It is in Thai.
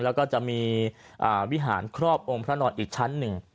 แล้วก็จะมีวิหารครอบองค์พระนอนอีกชั้นหนึ่ง